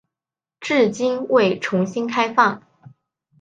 至今未重新开放。